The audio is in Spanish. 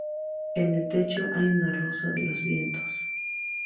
En el techo hay una rosa de los vientos.